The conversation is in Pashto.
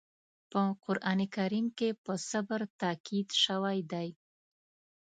په قرآن کریم کې په صبر تاکيد شوی دی.